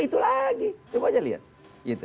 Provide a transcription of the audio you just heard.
itu lagi coba aja lihat gitu